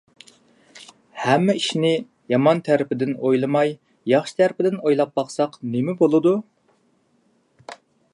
ھەممە ئىشنى يامان تەرىپىدىن ئويلىماي، ياخشى تەرىپىدىن ئويلاپ باقساق نېمە بولىدۇ؟